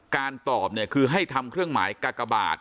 การตอบเนี่ยคือให้ทำเครื่องหมายกากบาท